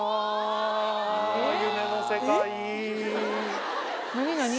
夢の世界。